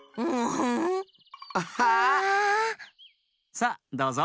さっどうぞ。